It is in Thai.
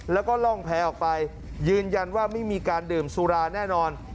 แล้วก็ล่องแพ้ออกไปยืนยันว่าไม่มีการดื่มสุราแน่นอน